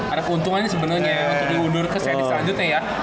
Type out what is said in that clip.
ada keuntungannya sebenarnya untuk diundur ke seri selanjutnya ya